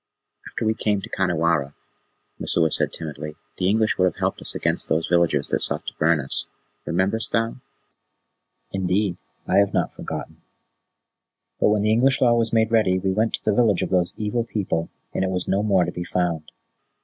"After we came to Khanhiwara," Messua said timidly, "the English would have helped us against those villagers that sought to burn us. Rememberest thou?" "Indeed, I have not forgotten." "But when the English Law was made ready, we went to the village of those evil people, and it was no more to be found."